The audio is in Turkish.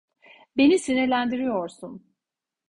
Beni sinirlendiriyorsun.